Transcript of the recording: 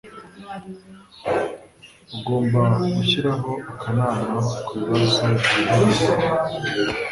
Ugomba gushyiraho akanama ku bibazo byihariye